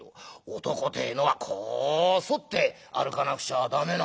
男てえのはこう反って歩かなくちゃダメなんだ。